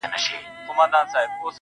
هله تياره ده په تلوار راته خبري کوه.